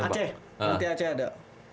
ac lantai ac ada